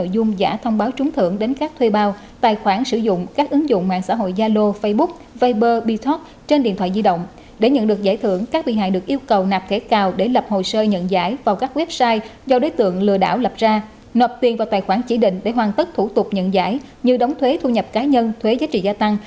gửi thông báo trúng thưởng giả đến các bài khoản mạng xã hội để lừa đảo chiếm đoạt tiền là thủ đoạn không còn xa lạ nhưng hàng trăm người vẫn mắc bẫy và bị chiếm đoạt truy tố băng nhóm lừa đảo nhằm chiếm đoạt tài sản